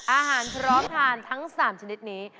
พร้อมทานทั้ง๓ชนิดนี้